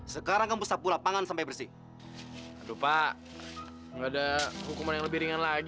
sekarang kamu sapu lapangan sampai bersih aduh pak enggak ada hukuman yang lebih ringan lagi